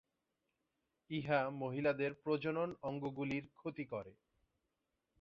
ইহা মহিলাদের প্রজনন অঙ্গগুলির ক্ষতি করে।